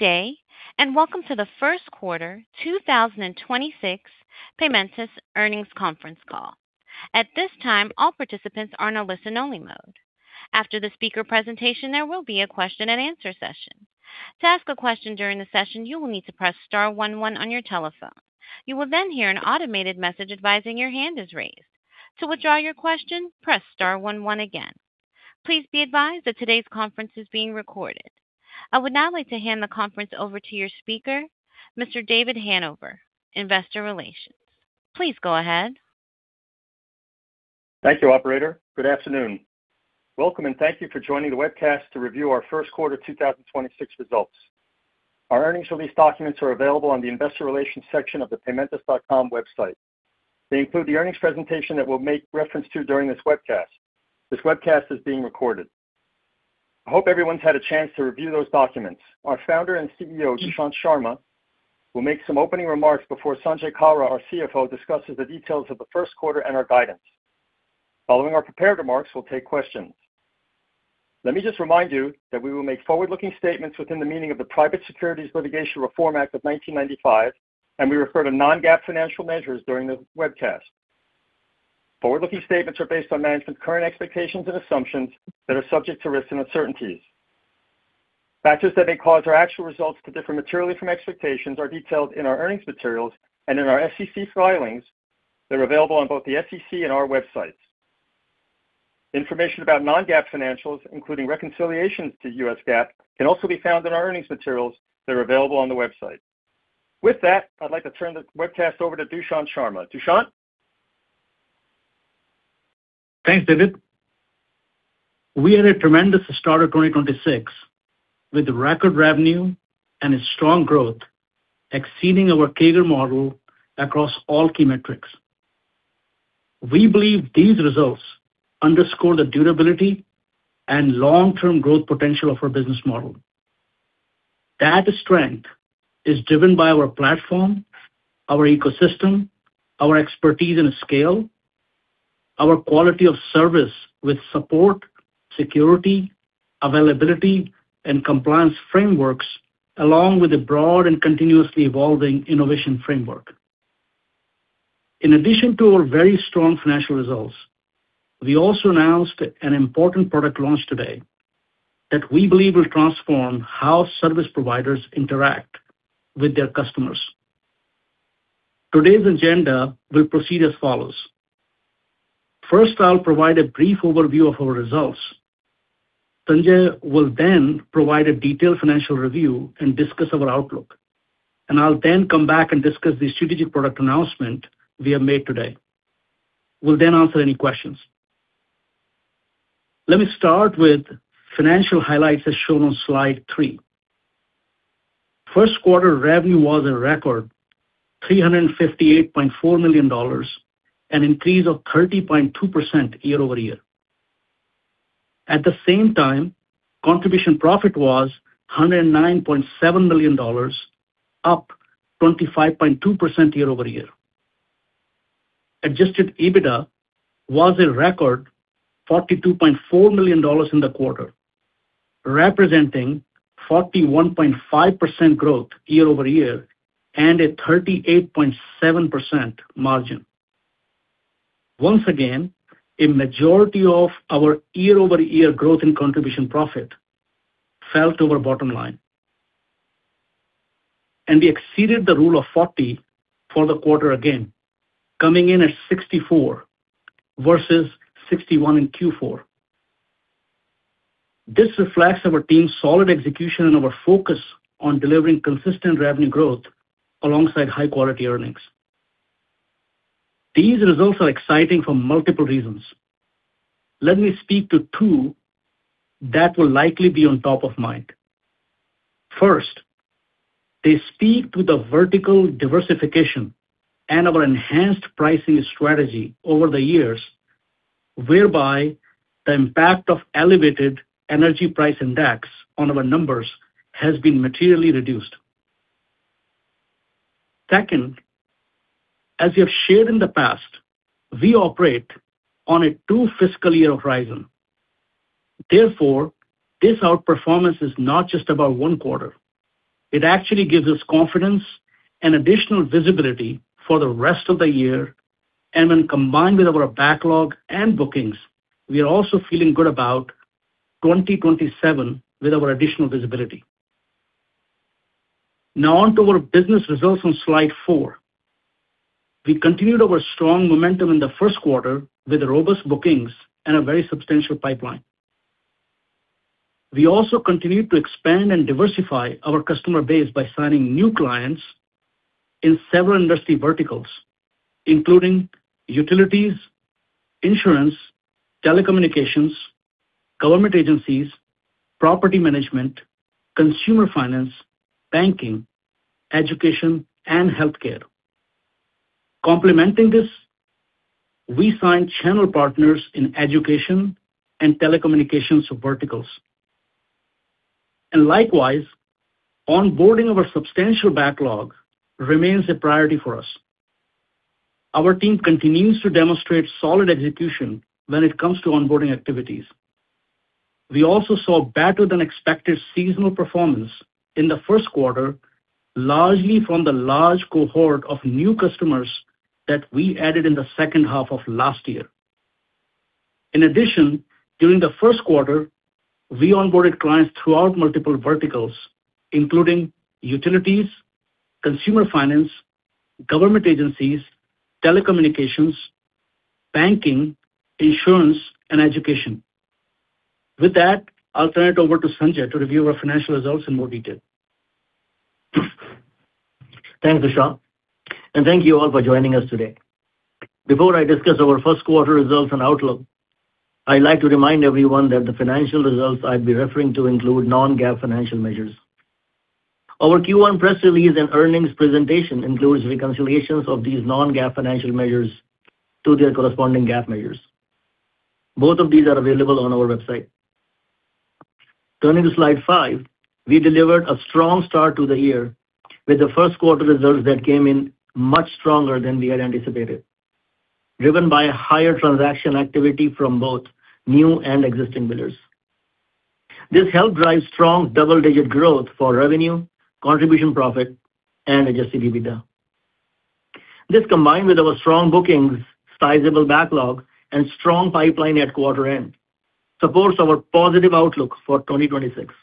Welcome to the First Quarter 2026 Paymentus Earnings Conference Call. I would now like to hand the conference over to your speaker, Mr. David Hanover, Investor Relations. Please go ahead. Thank you, operator. Good afternoon. Welcome and thank you for joining the webcast to review our first quarter 2026 results. Our earnings release documents are available on the investor relations section of the paymentus.com website. They include the earnings presentation that we'll make reference to during this webcast. This webcast is being recorded. I hope everyone's had a chance to review those documents. Our Founder and CEO, Dushyant Sharma, will make some opening remarks before Sanjay Kalra, our CFO, discusses the details of the first quarter and our guidance. Following our prepared remarks, we'll take questions. Let me just remind you that we will make forward-looking statements within the meaning of the Private Securities Litigation Reform Act of 1995, and we refer to non-GAAP financial measures during the webcast. Forward-looking statements are based on management's current expectations and assumptions that are subject to risks and uncertainties. Factors that may cause our actual results to differ materially from expectations are detailed in our earnings materials and in our SEC filings that are available on both the SEC and our websites. Information about non-GAAP financials, including reconciliations to U.S. GAAP, can also be found in our earnings materials that are available on the website. With that, I'd like to turn the webcast over to Dushyant Sharma. Dushyant? Thanks, David. We had a tremendous start of 2026 with record revenue and a strong growth exceeding our CAGR model across all key metrics. We believe these results underscore the durability and long-term growth potential of our business model. That strength is driven by our platform, our ecosystem, our expertise and scale, our quality of service with support, security, availability, and compliance frameworks, along with a broad and continuously evolving innovation framework. In addition to our very strong financial results, we also announced an important product launch today that we believe will transform how service providers interact with their customers. Today's agenda will proceed as follows. First, I'll provide a brief overview of our results. Sanjay will then provide a detailed financial review and discuss our outlook. I'll then come back and discuss the strategic product announcement we have made today. We'll then answer any questions. Let me start with financial highlights as shown on slide three. First quarter revenue was a record $358.4 million, an increase of 30.2% year-over-year. At the same time, contribution profit was $109.7 million, up 25.2% year-over-year. Adjusted EBITDA was a record $42.4 million in the quarter, representing 41.5% growth year-over-year and a 38.7% margin. Once again, a majority of our year-over-year growth in contribution profit fell to our bottom line. We exceeded the Rule of 40 for the quarter again, coming in at 64 versus 61 in Q4. This reflects our team's solid execution and our focus on delivering consistent revenue growth alongside high-quality earnings. These results are exciting for multiple reasons. Let me speak to two that will likely be on top of mind. First, they speak to the vertical diversification and our enhanced pricing strategy over the years, whereby the impact of elevated energy price index on our numbers has been materially reduced. Second, as we have shared in the past, we operate on a two fiscal year horizon. Therefore, this outperformance is not just about one quarter. It actually gives us confidence and additional visibility for the rest of the year. When combined with our backlog and bookings, we are also feeling good about 2027 with our additional visibility. Now on to our business results on slide four. We continued our strong momentum in the first quarter with robust bookings and a very substantial pipeline. We also continued to expand and diversify our customer base by signing new clients in several industry verticals, including utilities, insurance, telecommunications, government agencies, property management, consumer finance, banking, education, and healthcare. Complementing this, we signed channel partners in education and telecommunications verticals. Likewise, onboarding of our substantial backlog remains a priority for us. Our team continues to demonstrate solid execution when it comes to onboarding activities. We also saw better than expected seasonal performance in the first quarter, largely from the large cohort of new customers that we added in the second half of last year. In addition, during the first quarter, we onboarded clients throughout multiple verticals, including utilities, consumer finance, government agencies, telecommunications, banking, insurance, and education. With that, I'll turn it over to Sanjay to review our financial results in more detail. Thanks, Dushyant, and thank you all for joining us today. Before I discuss our first quarter results and outlook, I'd like to remind everyone that the financial results I'll be referring to include non-GAAP financial measures. Our Q1 press release and earnings presentation includes reconciliations of these non-GAAP financial measures to their corresponding GAAP measures. Both of these are available on our website. Turning to slide five, we delivered a strong start to the year with the first quarter results that came in much stronger than we had anticipated, driven by a higher transaction activity from both new and existing billers. This helped drive strong double-digit growth for revenue, contribution profit, and adjusted EBITDA. This, combined with our strong bookings, sizable backlog, and strong pipeline at quarter end, supports our positive outlook for 2026.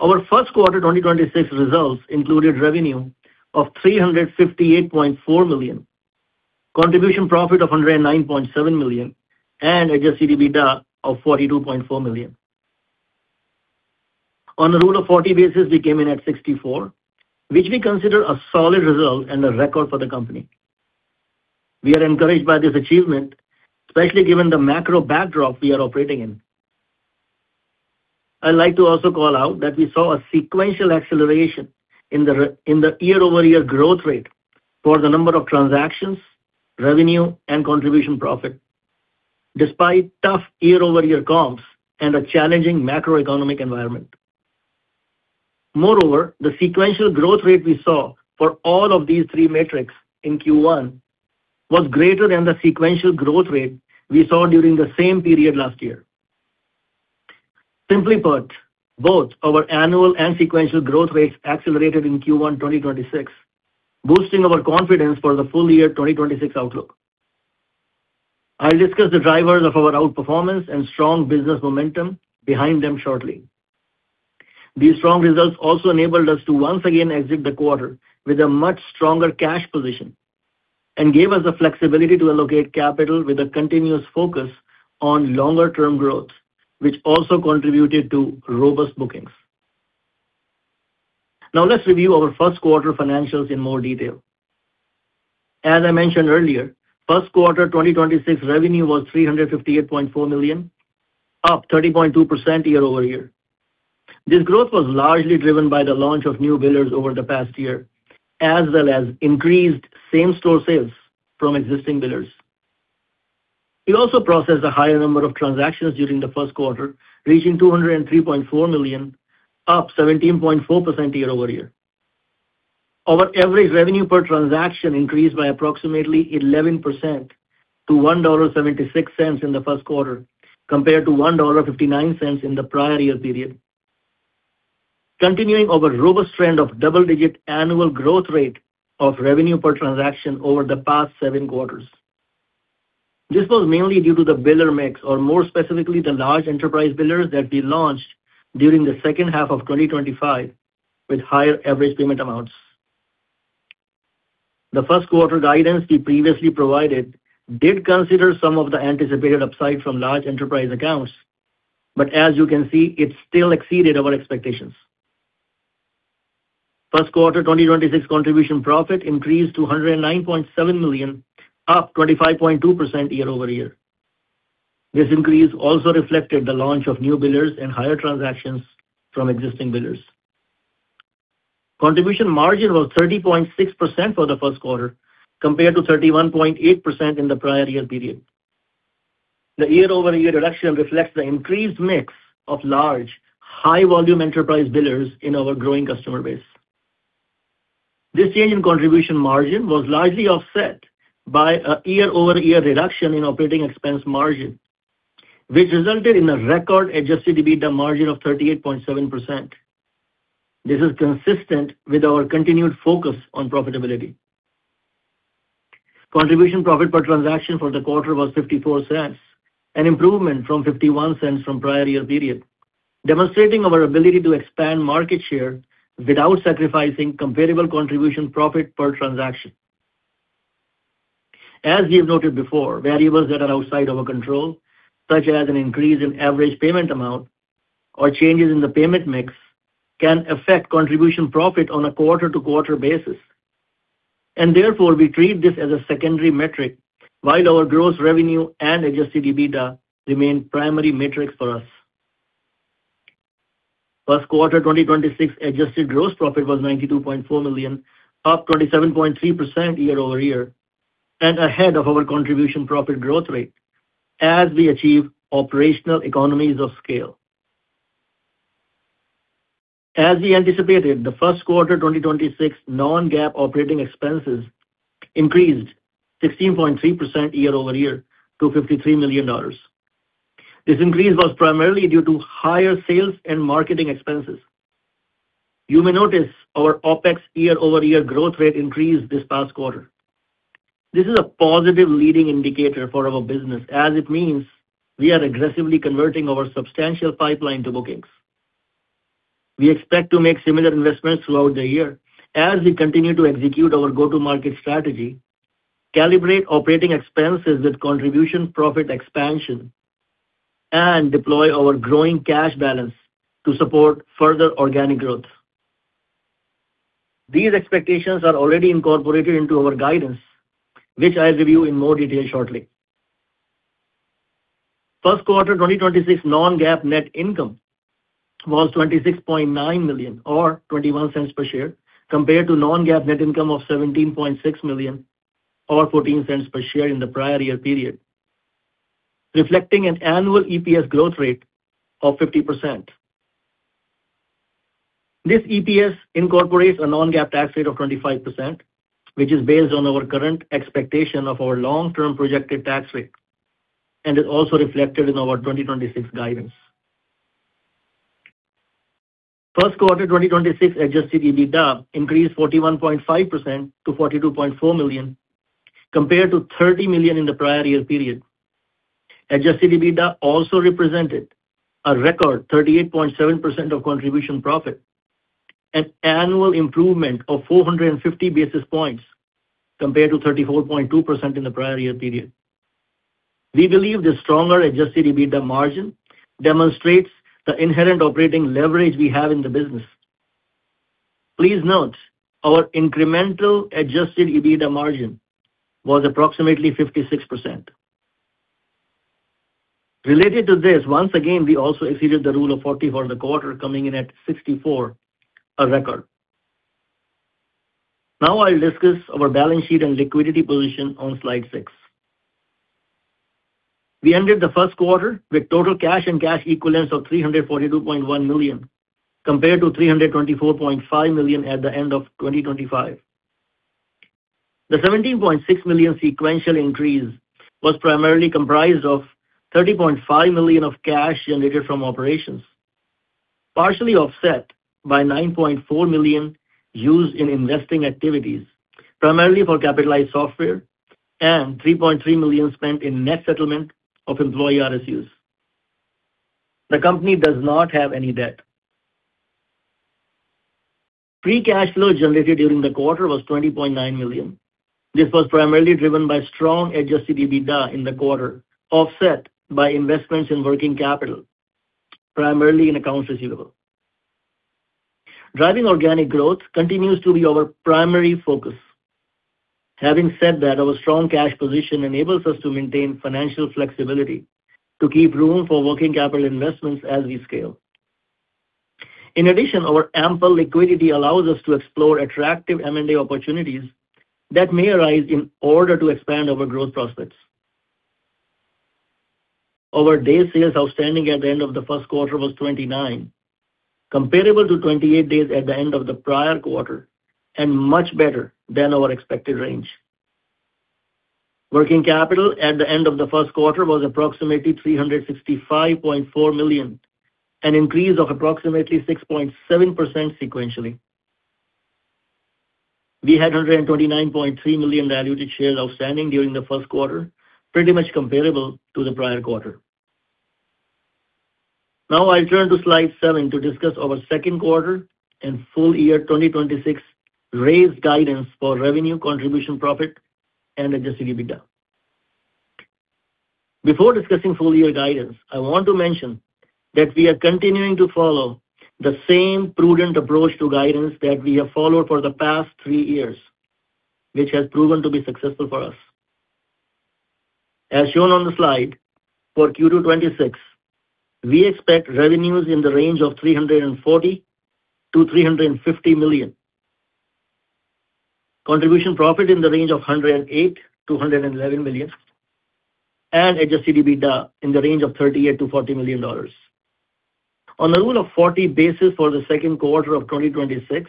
Our first quarter 2026 results included revenue of $358.4 million, contribution profit of $109.7 million, and adjusted EBITDA of $42.4 million. On the Rule of 40 basis, we came in at 64, which we consider a solid result and a record for the company. We are encouraged by this achievement, especially given the macro backdrop we are operating in. I'd like to also call out that we saw a sequential acceleration in the year-over-year growth rate for the number of transactions, revenue, and contribution profit, despite tough year-over-year comps and a challenging macroeconomic environment. The sequential growth rate we saw for all of these three metrics in Q1 was greater than the sequential growth rate we saw during the same period last year. Simply put, both our annual and sequential growth rates accelerated in Q1 2026, boosting our confidence for the full year 2026 outlook. I'll discuss the drivers of our outperformance and strong business momentum behind them shortly. These strong results also enabled us to once again exit the quarter with a much stronger cash position and gave us the flexibility to allocate capital with a continuous focus on longer-term growth, which also contributed to robust bookings. Let's review our first quarter financials in more detail. As I mentioned earlier, first quarter 2026 revenue was $358.4 million, up 30.2% year-over-year. This growth was largely driven by the launch of new billers over the past year, as well as increased same-store sales from existing billers. We also processed a higher number of transactions during the first quarter, reaching 203.4 million, up 17.4% year-over-year. Our average revenue per transaction increased by approximately 11% to $1.76 in the first quarter compared to $1.59 in the prior year period, continuing our robust trend of double-digit annual growth rate of revenue per transaction over the past seven quarters. This was mainly due to the biller mix, or more specifically, the large enterprise billers that we launched during the second half of 2025 with higher average payment amounts. The first quarter guidance we previously provided did consider some of the anticipated upside from large enterprise accounts, but as you can see, it still exceeded our expectations. First quarter 2026 contribution profit increased to $109.7 million, up 25.2% year-over-year. This increase also reflected the launch of new billers and higher transactions from existing billers. Contribution margin was 30.6% for the first quarter compared to 31.8% in the prior year period. The year-over-year reduction reflects the increased mix of large, high-volume enterprise billers in our growing customer base. This change in contribution margin was largely offset by a year-over-year reduction in operating expense margin, which resulted in a record adjusted EBITDA margin of 38.7%. This is consistent with our continued focus on profitability. Contribution profit per transaction for the quarter was $0.54, an improvement from $0.51 from prior year period, demonstrating our ability to expand market share without sacrificing comparable contribution profit per transaction. As we have noted before, variables that are outside our control, such as an increase in average payment amount or changes in the payment mix, can affect contribution profit on a quarter-to-quarter basis. Therefore, we treat this as a secondary metric while our gross revenue and adjusted EBITDA remain primary metrics for us. First quarter 2026 adjusted gross profit was $92.4 million, up 27.3% year-over-year and ahead of our contribution profit growth rate as we achieve operational economies of scale. As we anticipated, the first quarter 2026 non-GAAP operating expenses increased 16.3% year-over-year to $53 million. This increase was primarily due to higher sales and marketing expenses. You may notice our OpEx year-over-year growth rate increased this past quarter. This is a positive leading indicator for our business as it means we are aggressively converting our substantial pipeline to bookings. We expect to make similar investments throughout the year as we continue to execute our go-to-market strategy, calibrate operating expenses with contribution profit expansion, and deploy our growing cash balance to support further organic growth. These expectations are already incorporated into our guidance, which I'll give you in more detail shortly. First quarter 2026 non-GAAP net income was $26.9 million or $0.21 per share compared to non-GAAP net income of $17.6 million or $0.14 per share in the prior year period, reflecting an annual EPS growth rate of 50%. This EPS incorporates a non-GAAP tax rate of 25%, which is based on our current expectation of our long-term projected tax rate and is also reflected in our 2026 guidance. First quarter 2026 adjusted EBITDA increased 41.5% to $42.4 million compared to $30 million in the prior year period. Adjusted EBITDA also represented a record 38.7% of contribution profit, an annual improvement of 450 basis points compared to 34.2% in the prior year period. We believe the stronger adjusted EBITDA margin demonstrates the inherent operating leverage we have in the business. Please note our incremental adjusted EBITDA margin was approximately 56%. Related to this, once again, we also exceeded the Rule of 40 for the quarter, coming in at 64, a record. I'll discuss our balance sheet and liquidity position on slide six. We ended the first quarter with total cash and cash equivalents of $342.1 million compared to $324.5 million at the end of 2025. The $17.6 million sequential increase was primarily comprised of $30.5 million of cash generated from operations, partially offset by $9.4 million used in investing activities, primarily for capitalized software and $3.3 million spent in net settlement of employee RSUs. The company does not have any debt. Free cash flow generated during the quarter was $20.9 million. This was primarily driven by strong adjusted EBITDA in the quarter, offset by investments in working capital, primarily in accounts receivable. Driving organic growth continues to be our primary focus. Having said that, our strong cash position enables us to maintain financial flexibility to keep room for working capital investments as we scale. In addition, our ample liquidity allows us to explore attractive M&A opportunities that may arise in order to expand our growth prospects. Our days sales outstanding at the end of the first quarter was 29, comparable to 28 days at the end of the prior quarter and much better than our expected range. Working capital at the end of the first quarter was approximately $365.4 million, an increase of approximately 6.7% sequentially. We had 129.3 million diluted shares outstanding during the first quarter, pretty much comparable to the prior quarter. Now I turn to slide seven to discuss our second quarter and full year 2026 raised guidance for revenue contribution profit and adjusted EBITDA. Before discussing full year guidance, I want to mention that we are continuing to follow the same prudent approach to guidance that we have followed for the past three years, which has proven to be successful for us. As shown on the slide, for Q2 2026, we expect revenues in the range of $340 million-$350 million. Contribution profit in the range of $108 million-$111 million. Adjusted EBITDA in the range of $38 million-$40 million. On the Rule of 40 basis for the second quarter of 2026,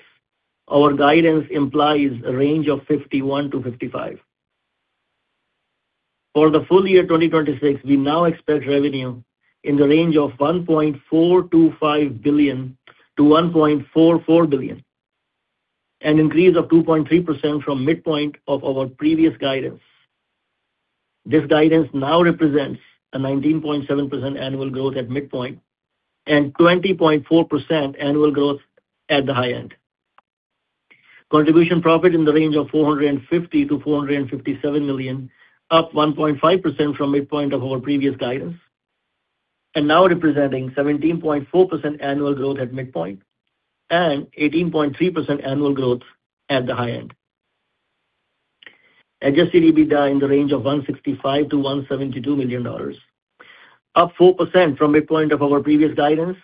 our guidance implies a range of 51%-55%. For the full year 2026, we now expect revenue in the range of $1.425 billion-$1.44 billion, an increase of 2.3% from midpoint of our previous guidance. This guidance now represents a 19.7% annual growth at midpoint and 20.4% annual growth at the high end. Contribution profit in the range of $450 million-$457 million, up 1.5% from midpoint of our previous guidance, and now representing 17.4% annual growth at midpoint and 18.3% annual growth at the high end. Adjusted EBITDA in the range of $165 million-$172 million, up 4% from midpoint of our previous guidance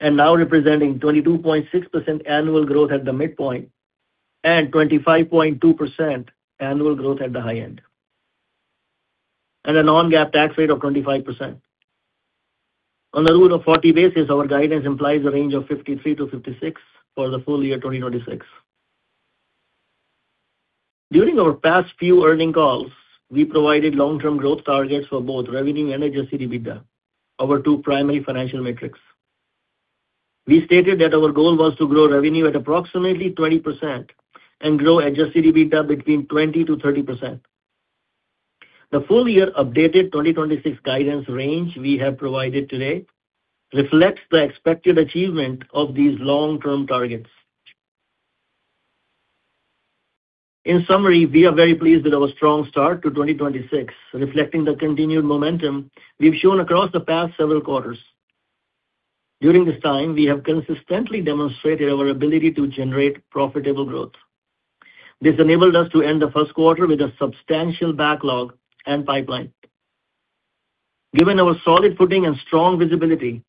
and now representing 22.6% annual growth at the midpoint and 25.2% annual growth at the high end. A non-GAAP tax rate of 25%. On the Rule of 40 basis, our guidance implies a range of 53-56 for the full year 2026. During our past few earning calls, we provided long-term growth targets for both revenue and adjusted EBITDA, our two primary financial metrics. We stated that our goal was to grow revenue at approximately 20% and grow adjusted EBITDA between 20%-30%. The full year updated 2026 guidance range we have provided today reflects the expected achievement of these long-term targets. In summary, we are very pleased with our strong start to 2026, reflecting the continued momentum we've shown across the past several quarters. During this time, we have consistently demonstrated our ability to generate profitable growth. This enabled us to end the first quarter with a substantial backlog and pipeline. Given our solid footing and strong visibility,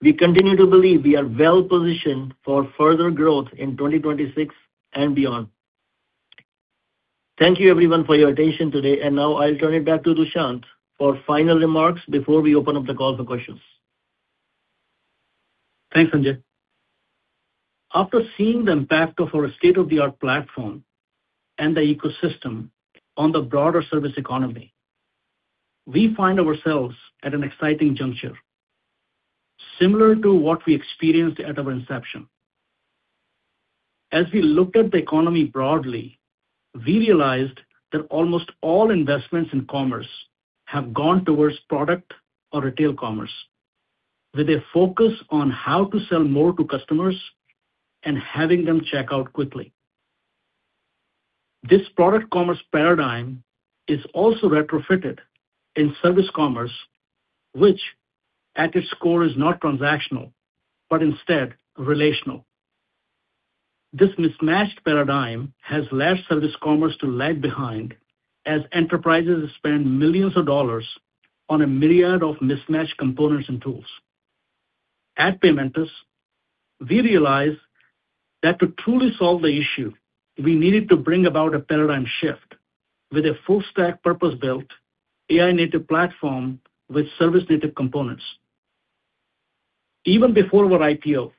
we continue to believe we are well-positioned for further growth in 2026 and beyond. Thank you everyone for your attention today, and now I'll turn it back to Dushyant for final remarks before we open up the call for questions. Thanks, Sanjay. After seeing the impact of our state-of-the-art platform and the ecosystem on the broader service economy, we find ourselves at an exciting juncture, similar to what we experienced at our inception. As we looked at the economy broadly, we realized that almost all investments in commerce have gone towards product or retail commerce, with a focus on how to sell more to customers and having them check out quickly. This product commerce paradigm is also retrofitted in service commerce, which at its core is not transactional, but instead relational. This mismatched paradigm has left service commerce to lag behind as enterprises spend millions of dollars on a myriad of mismatched components and tools. At Paymentus, we realized that to truly solve the issue, we needed to bring about a paradigm shift with a full stack purpose-built AI-native platform with service-native components. Even before our IPO,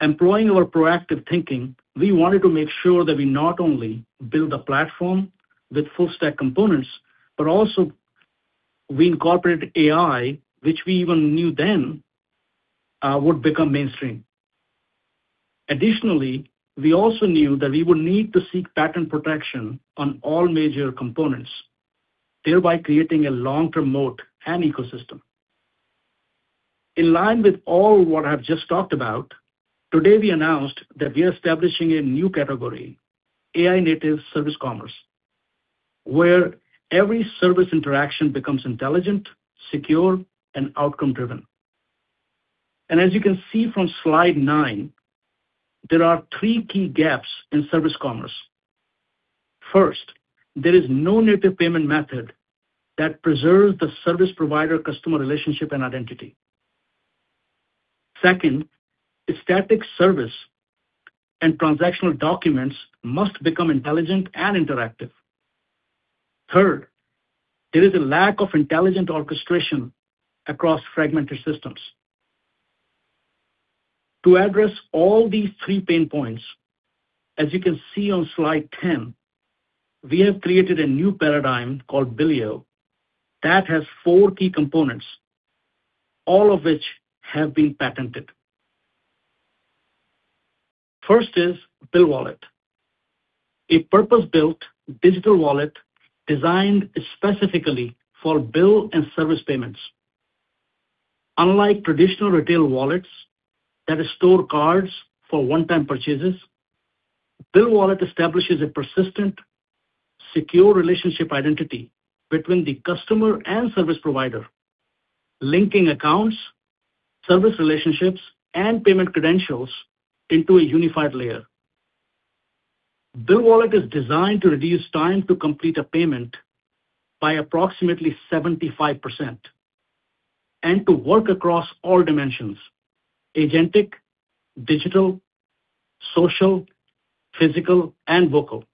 employing our proactive thinking, we wanted to make sure that we not only build a platform with full stack components, but also we incorporate AI, which we even knew then would become mainstream. Additionally, we also knew that we would need to seek patent protection on all major components, thereby creating a long-term moat and ecosystem. In line with all what I've just talked about, today we announced that we are establishing a new category, AI-native Service Commerce, where every service interaction becomes intelligent, secure, and outcome-driven. As you can see from slide nine, there are three key gaps in service commerce. First, there is no native payment method that preserves the service provider-customer relationship and identity. Second, static service and transactional documents must become intelligent and interactive. Third, there is a lack of intelligent orchestration across fragmented systems. To address all these three pain points, as you can see on slide 10, we have created a new paradigm called Billeo that has four key components, all of which have been patented. First is BillWallet, a purpose-built digital wallet designed specifically for bill and service payments. Unlike traditional retail wallets that store cards for one-time purchases, BillWallet establishes a persistent, secure relationship identity between the customer and service provider, linking accounts, service relationships, and payment credentials into a unified layer. BillWallet is designed to reduce time to complete a payment by approximately 75% and to work across all dimensions, agentic, digital, social, physical, and vocal.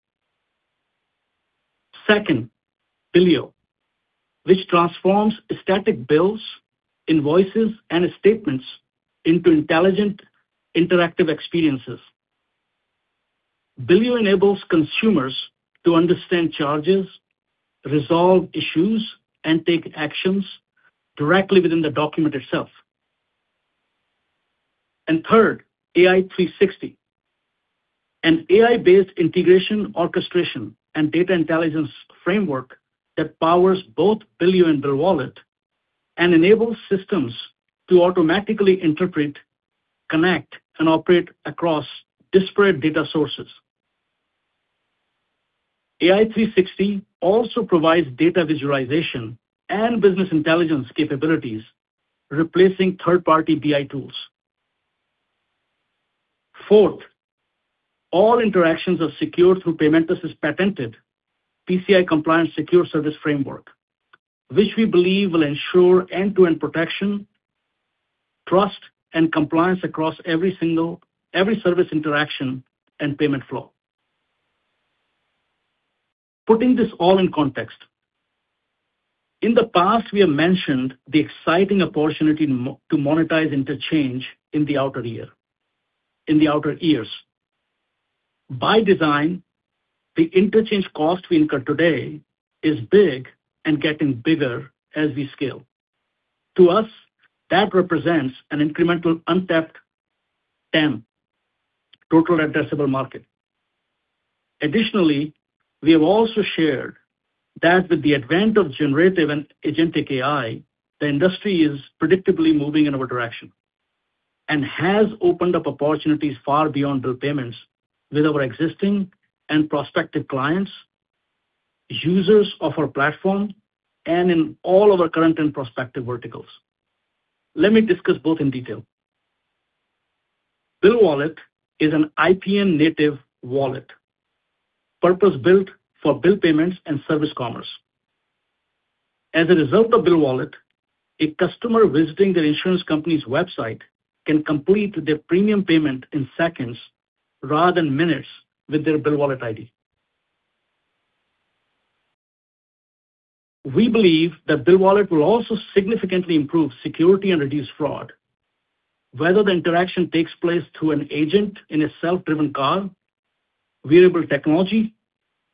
Second, Billeo, which transforms static bills, invoices, and statements into intelligent interactive experiences. Billeo enables consumers to understand charges, resolve issues, and take actions directly within the document itself. Third, AI360, an AI-based integration, orchestration, and data intelligence framework that powers both Billeo and BillWallet and enables systems to automatically interpret, connect, and operate across disparate data sources. AI360 also provides data visualization and business intelligence capabilities, replacing third-party BI tools. Fourth, all interactions are secured through Paymentus' patented PCI compliance secure service framework, which we believe will ensure end-to-end protection and trust and compliance across every single service interaction and payment flow. Putting this all in context. In the past, we have mentioned the exciting opportunity to monetize interchange in the out years, in the out years. By design, the interchange cost we incur today is big and getting bigger as we scale. To us, that represents an incremental untapped TAM, total addressable market. Additionally, we have also shared that with the advent of generative and agentic AI, the industry is predictably moving in our direction and has opened up opportunities far beyond bill payments with our existing and prospective clients, users of our platform, and in all of our current and prospective verticals. Let me discuss both in detail. BillWallet is an IPN-native wallet, purpose-built for bill payments and service commerce. As a result of BillWallet, a customer visiting their insurance company's website can complete their premium payment in seconds rather than minutes with their BillWallet ID. We believe that BillWallet will also significantly improve security and reduce fraud, whether the interaction takes place through an agent in a self-driven car, wearable technology,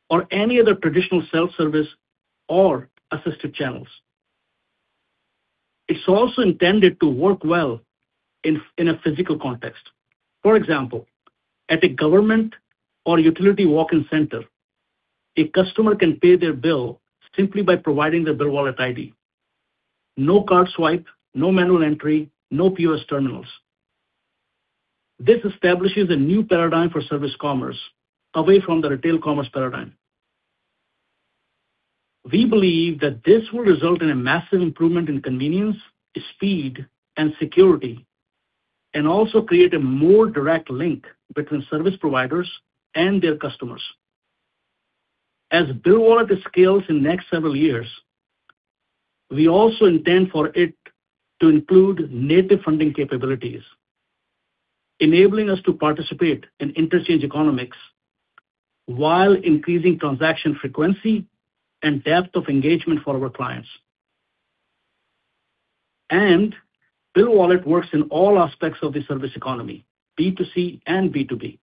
or any other traditional self-service or assisted channels. It's also intended to work well in a physical context. For example, at a government or utility walk-in center, a customer can pay their bill simply by providing their BillWallet ID. No card swipe, no manual entry, no POS terminals. This establishes a new paradigm for service commerce away from the retail commerce paradigm. We believe that this will result in a massive improvement in convenience, speed, and security, and also create a more direct link between service providers and their customers. As BillWallet scales in next several years, we also intend for it to include native funding capabilities, enabling us to participate in interchange economics while increasing transaction frequency and depth of engagement for our clients. BillWallet works in all aspects of the service economy, B2C and B2B.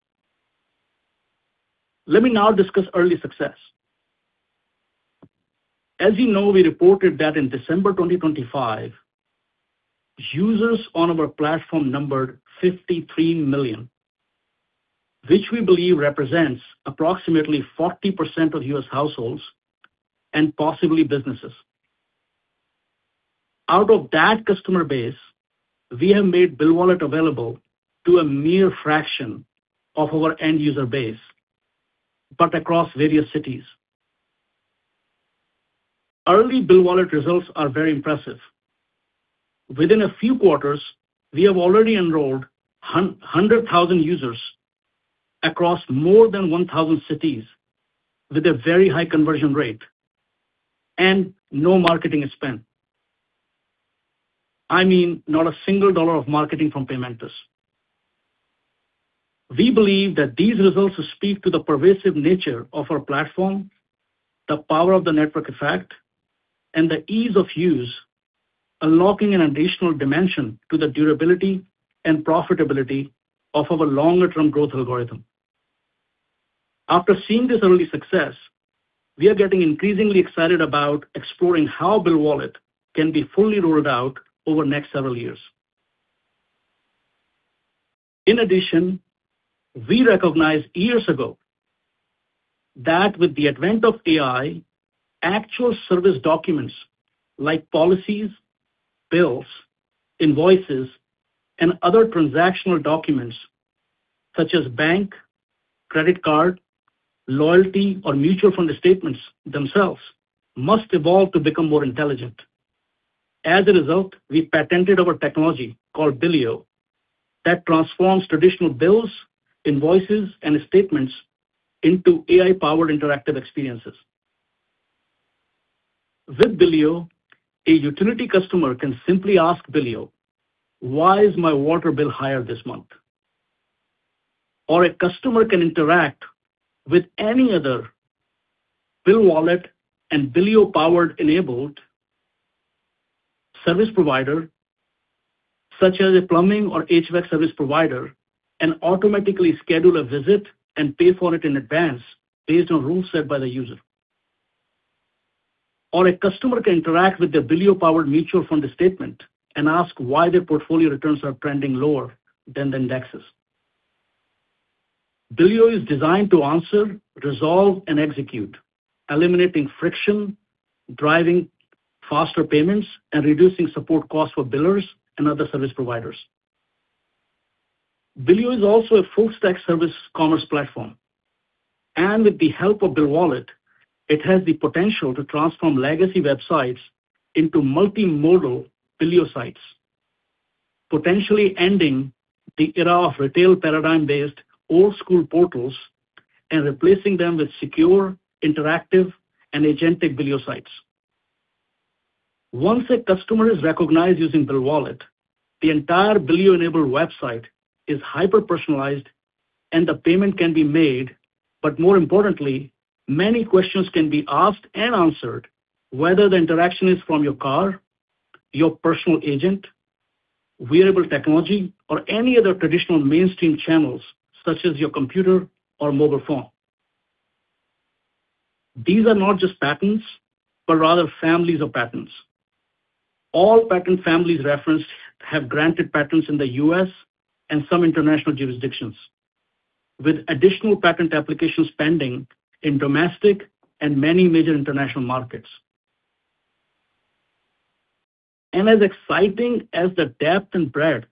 Let me now discuss early success. As you know, we reported that in December 2025, users on our platform numbered 53 million, which we believe represents approximately 40% of U.S. households and possibly businesses. Out of that customer base, we have made BillWallet available to a mere fraction of our end-user base, but across various cities. Early BillWallet results are very impressive. Within a few quarters, we have already enrolled 100 thousand users across more than 1,000 cities with a very high conversion rate and no marketing spent. I mean, not a single $1 of marketing from Paymentus. We believe that these results speak to the pervasive nature of our platform, the power of the network effect, and the ease of use, unlocking an additional dimension to the durability and profitability of our longer-term growth algorithm. After seeing this early success, we are getting increasingly excited about exploring how BillWallet can be fully rolled out over next several years. We recognized years ago that with the advent of AI, actual service documents like policies, bills, invoices, and other transactional documents such as bank, credit card, loyalty, or mutual fund statements themselves must evolve to become more intelligent. As a result, we patented our technology called Billeo that transforms traditional bills, invoices, and statements into AI-powered interactive experiences. With Billeo, a utility customer can simply ask Billeo, "Why is my water bill higher this month?" A customer can interact with any other BillWallet and Billeo-powered enabled service provider, such as a plumbing or HVAC service provider, and automatically schedule a visit and pay for it in advance based on rules set by the user. A customer can interact with their Billeo-powered mutual fund statement and ask why their portfolio returns are trending lower than the indexes. Billeo is designed to answer, resolve, and execute, eliminating friction, driving faster payments, and reducing support costs for billers and other service providers. Billeo is also a full-stack service commerce platform, and with the help of BillWallet, it has the potential to transform legacy websites into multimodal Billeo sites, potentially ending the era of retail paradigm-based old-school portals and replacing them with secure, interactive and agentic Billeo sites. Once a customer is recognized using BillWallet, the entire Billeo-enabled website is hyper-personalized and the payment can be made, but more importantly, many questions can be asked and answered, whether the interaction is from your car, your personal agent, wearable technology, or any other traditional mainstream channels, such as your computer or mobile phone. These are not just patents, but rather families of patents. All patent families referenced have granted patents in the U.S. and some international jurisdictions, with additional patent applications pending in domestic and many major international markets. As exciting as the depth and breadth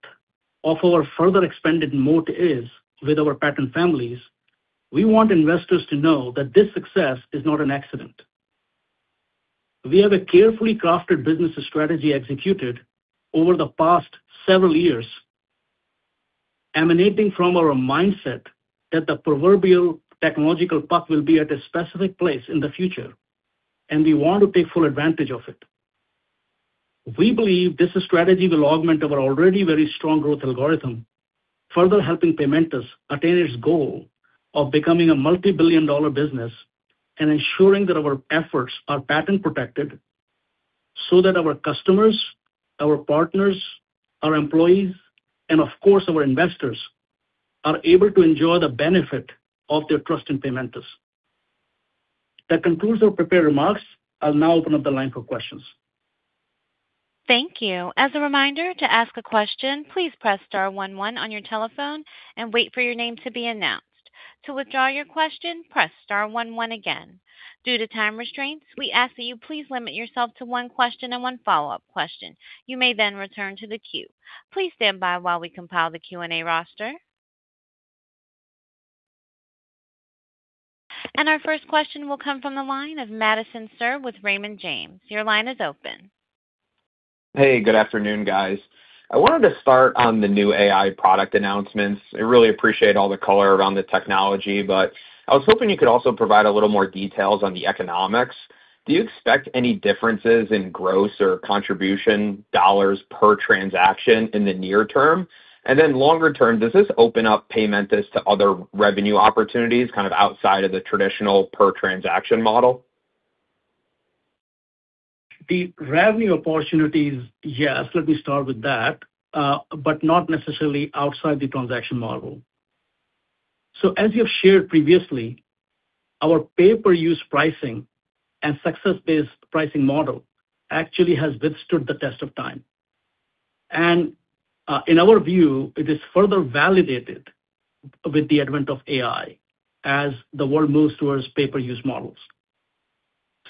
of our further expanded moat is with our patent families, we want investors to know that this success is not an accident. We have a carefully crafted business strategy executed over the past several years emanating from our mindset that the proverbial technological puck will be at a specific place in the future, and we want to take full advantage of it. We believe this strategy will augment our already very strong growth algorithm, further helping Paymentus attain its goal of becoming a multi-billion-dollar business and ensuring that our efforts are patent protected so that our customers, our partners, our employees, and of course, our investors, are able to enjoy the benefit of their trust in Paymentus. That concludes our prepared remarks. I'll now open up the line for questions. Thank you. As a reminder to ask a question, please press star one one on your telephone and wait for your name to be announced. To withdraw your question, press star one one again. Due to time restraints, we ask that you please limit yourself to one question and one follow-up question. You may then return to the queue. Please stand by while we compile the Q&A roster. Our first question will come from the line of Madison Suhr with Raymond James. Your line is open. Hey, good afternoon, guys. I wanted to start on the new AI product announcements. I really appreciate all the color around the technology, but I was hoping you could also provide a little more details on the economics. Do you expect any differences in gross or contribution dollars per transaction in the near term? Longer term, does this open up Paymentus to other revenue opportunities kind of outside of the traditional per transaction model? The revenue opportunities, yes, let me start with that, but not necessarily outside the transaction model. As we have shared previously, our pay per use pricing and success-based pricing model actually has withstood the test of time. In our view, it is further validated with the advent of AI as the world moves towards pay per use models.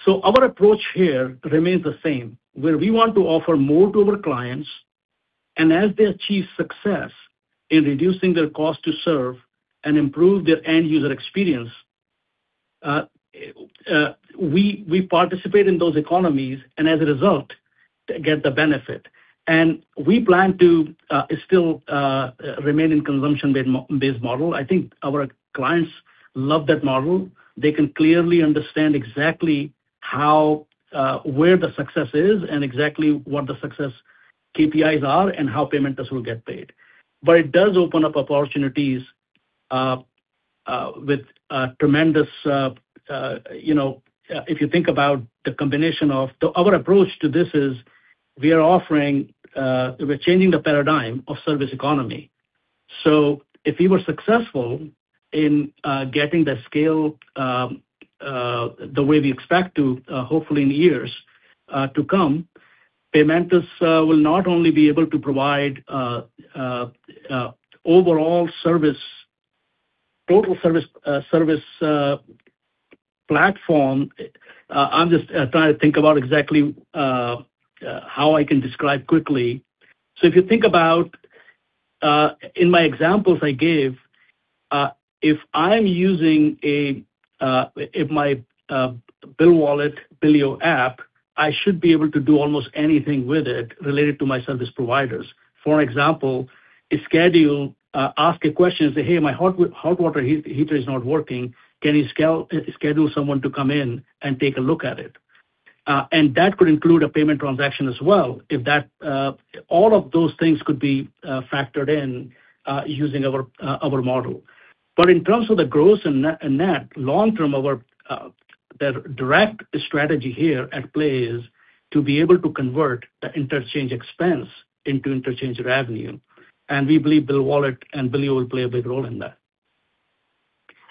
Our approach here remains the same, where we want to offer more to our clients, and as they achieve success in reducing their cost to serve and improve their end user experience, we participate in those economies and as a result, get the benefit. We plan to still remain in consumption-based model. I think our clients love that model. They can clearly understand exactly how where the success is and exactly what the success KPIs are and how Paymentus will get paid. It does open up opportunities with tremendous, you know, if you think about the combination of. Our approach to this is we are offering, we're changing the paradigm of service economy. If we were successful in getting the scale the way we expect to, hopefully in years to come, Paymentus will not only be able to provide total service platform. I'm just trying to think about exactly how I can describe quickly. If you think about, in my examples I gave, if I'm using, if my, BillWallet Billeo app, I should be able to do almost anything with it related to my service providers. For example, a schedule, ask a question, say, "Hey, my hot water heater is not working. Can you schedule someone to come in and take a look at it?" And that could include a payment transaction as well. All of those things could be factored in, using our model. In terms of the gross and net, long term, our, the direct strategy here at play is to be able to convert the interchange expense into interchange revenue. We believe BillWallet and Billeo will play a big role in that.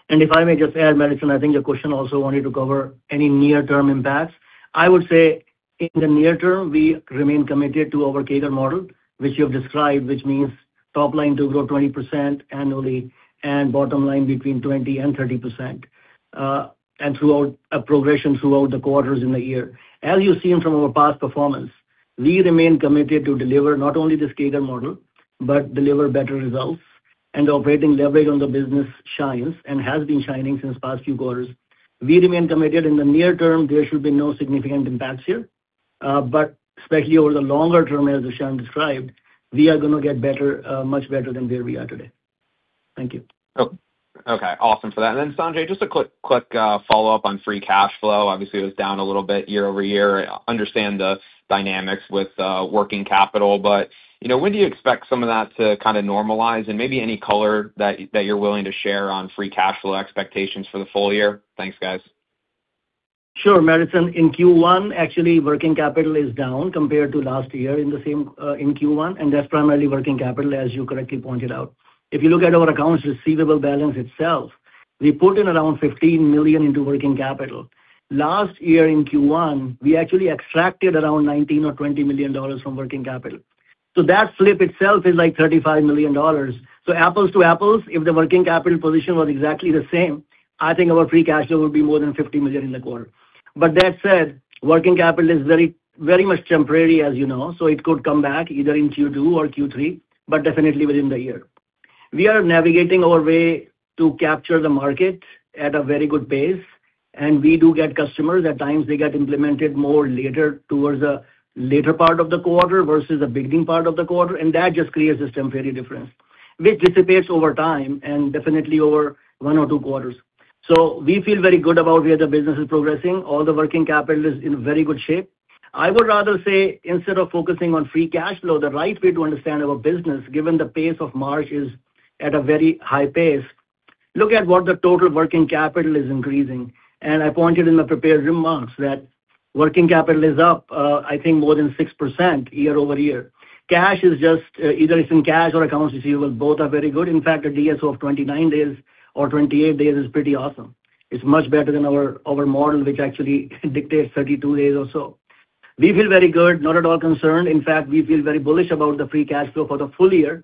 If I may just add, Madison, I think your question also wanted to cover any near-term impacts. I would say in the near term, we remain committed to our scaler model, which you have described, which means top line to grow 20% annually and bottom line between 20% and 30%, and throughout a progression throughout the quarters in the year. As you've seen from our past performance, we remain committed to deliver not only the scaler model, but deliver better results and operating leverage on the business shines and has been shining since past few quarters. We remain committed. In the near term, there should be no significant impacts here. But especially over the longer term, as Dushyant described, we are gonna get better, much better than where we are today. Thank you. Okay. Awesome for that. Sanjay, just a quick follow-up on free cash flow. Obviously, it was down a little bit year-over-year. I understand the dynamics with working capital, you know, when do you expect some of that to kind of normalize? Maybe any color that you're willing to share on free cash flow expectations for the full year. Thanks, guys. Sure, Madison. In Q1, actually working capital is down compared to last year in the same in Q1, and that's primarily working capital, as you correctly pointed out. If you look at our accounts receivable balance itself, we put in around $15 million into working capital. Last year in Q1, we actually extracted around $19 million or $20 million from working capital. That slip itself is like $35 million. Apples to apples, if the working capital position was exactly the same, I think our free cash flow would be more than $50 million in the quarter. That said, working capital is very, very much temporary, as you know, so it could come back either in Q2 or Q3, but definitely within the year. We are navigating our way to capture the market at a very good pace, and we do get customers. At times they get implemented more later towards the later part of the quarter versus the beginning part of the quarter, that just creates a temporary difference, which dissipates over time and definitely over one or two quarters. We feel very good about where the business is progressing. All the working capital is in very good shape. I would rather say instead of focusing on free cash flow, the right way to understand our business, given the pace of march is at a very high pace, look at what the total working capital is increasing. I pointed in my prepared remarks that working capital is up, I think more than 6% year-over-year. Cash is just, either it's in cash or accounts receivable. Both are very good. In fact, a DSO of 29 days or 28 days is pretty awesome. It's much better than our model, which actually dictates 32 days or so. We feel very good, not at all concerned. In fact, we feel very bullish about the free cashflow for the full year.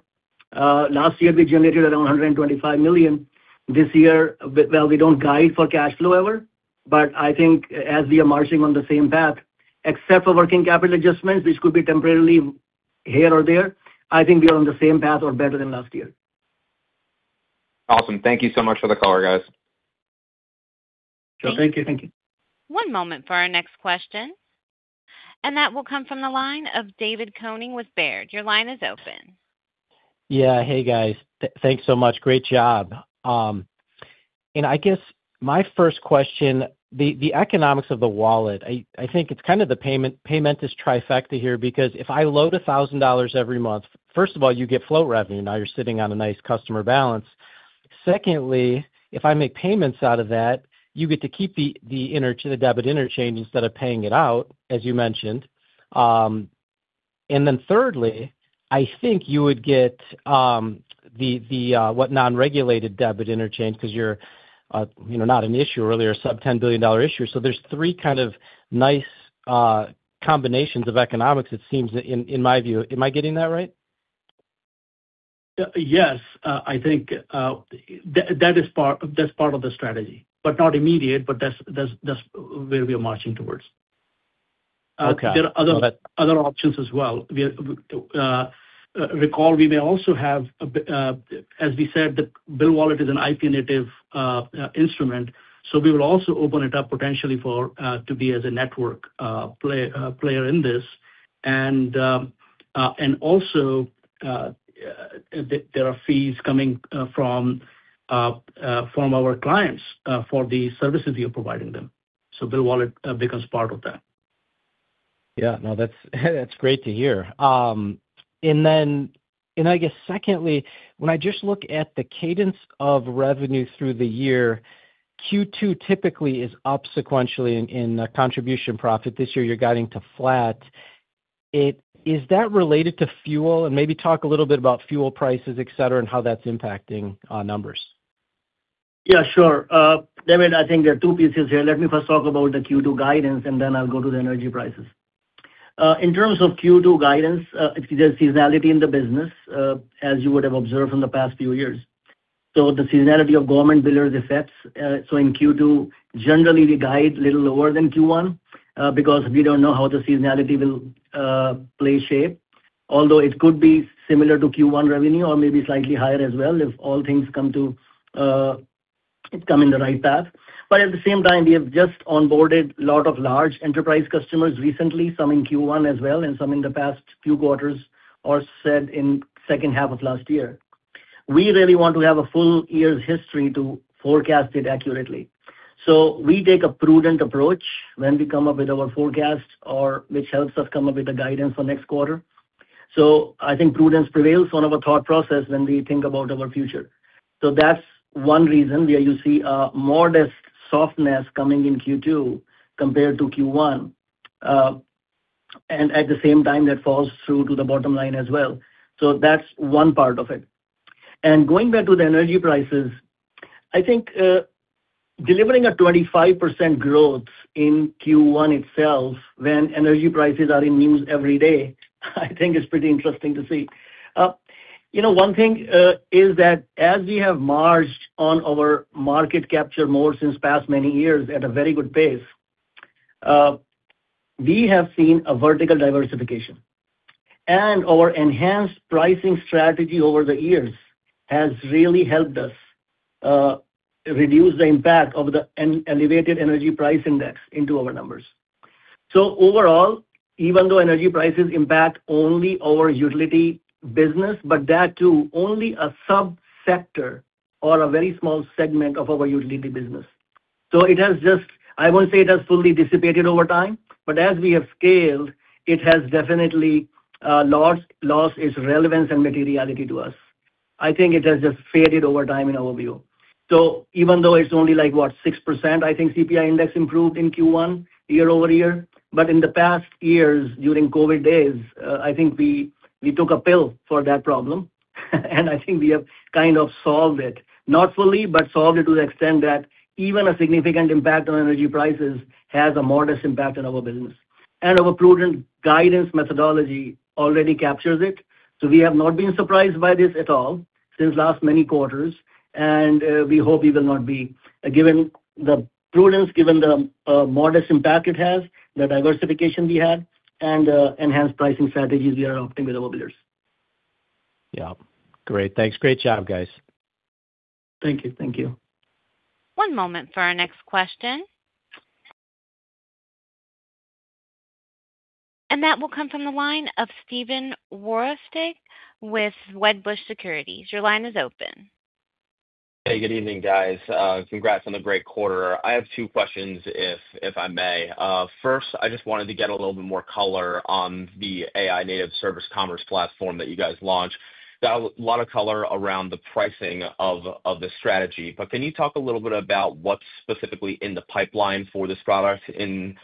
Last year we generated around $125 million. This year, well, we don't guide for cashflow ever, but I think as we are marching on the same path, except for working capital adjustments, which could be temporarily here or there, I think we are on the same path or better than last year. Awesome. Thank you so much for the color, guys. Sure, thank you. Thank you. One moment for our next question, and that will come from the line of David Koning with Baird. Your line is open. Yeah. Hey, guys. Thanks so much. Great job. I guess my first question, the economics of the wallet, I think it's kind of the Paymentus trifecta here because if I load $1,000 every month, first of all, you get flow revenue. Now you're sitting on a nice customer balance. Secondly, if I make payments out of that, you get to keep the debit interchange instead of paying it out, as you mentioned. Then thirdly, I think you would get the non-regulated debit interchange 'cause you're, you know, not an issuer really or sub $10 billion issuer. There's three kind of nice combinations of economics it seems in my view. Am I getting that right? Yes. I think, that is part, that's part of the strategy, but not immediate, but that's where we are marching towards. Okay. There are other options as well. We recall we may also have as we said, the BillWallet is an IPN-native instrument, so we will also open it up potentially for to be as a network play player in this. Also there are fees coming from our clients for the services we are providing them. So BillWallet becomes part of that. Yeah. No, that's great to hear. Then, I guess secondly, when I just look at the cadence of revenue through the year, Q2 typically is up sequentially in contribution profit. This year you're guiding to flat. Is that related to fuel? Maybe talk a little bit about fuel prices, et cetera, and how that's impacting numbers. Sure. David, I think there are two pieces here. Let me first talk about the Q2 guidance, then I'll go to the energy prices. In terms of Q2 guidance, there's seasonality in the business, as you would have observed from the past few years. The seasonality of government billers affects, in Q2, generally we guide little lower than Q1, because we don't know how the seasonality will play shape. It could be similar to Q1 revenue or maybe slightly higher as well if all things come in the right path. At the same time, we have just onboarded a lot of large enterprise customers recently, some in Q1 as well and some in the past few quarters or said in second half of last year. We really want to have a full year's history to forecast it accurately. We take a prudent approach when we come up with our forecast which helps us come up with the guidance for next quarter. I think prudence prevails on our thought process when we think about our future. That's one reason where you see a modest softness coming in Q2 compared to Q1. At the same time, that falls through to the bottom line as well. That's one part of it. Going back to the energy prices, I think, delivering a 25% growth in Q1 itself when energy prices are in news every day, I think it's pretty interesting to see. You know, one thing, is that as we have marched on our market capture more since past many years at a very good pace, we have seen a vertical diversification. Our enhanced pricing strategy over the years has really helped us reduce the impact of the elevated energy price index into our numbers. Overall, even though energy prices impact only our utility business, but that too, only a subsector or a very small segment of our utility business. It has just, I won't say it has fully dissipated over time, but as we have scaled, it has definitely lost its relevance and materiality to us. I think it has just faded over time in our view. Even though it's only like 6%, I think CPI index improved in Q1 year-over-year. But in the past years during COVID days, I think we took a pill for that problem, and I think we have kind of solved it, not fully, but solved it to the extent that even a significant impact on energy prices has a modest impact on our business. Our prudent guidance methodology already captures it. We have not been surprised by this at all since last many quarters. We hope we will not be. Given the prudence, given the modest impact it has, the diversification we have, and enhanced pricing strategies, we are optimistic with our billers. Yeah. Great. Thanks. Great job, guys. Thank you. Thank you. One moment for our next question. That will come from the line of Steven Wahrhaftig with Wedbush Securities. Your line is open. Hey, good evening, guys. Congrats on the great quarter. I have two questions if I may. First, I just wanted to get a little bit more color on the AI-Native Service Commerce platform that you guys launched. Got a lot of color around the pricing of the strategy, but can you talk a little bit about what's specifically in the pipeline for this product in the